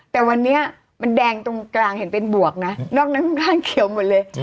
แต่วันนี้มันแดงตรงกลางเห็นเป็นบวกนะนอกนั้นข้างล่างเขียวหมดเลย